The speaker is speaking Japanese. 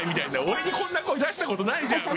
俺にこんな声出した事ないじゃん！